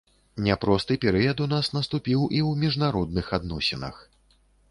Няпросты перыяд у нас наступіў і ў міжнародных адносінах.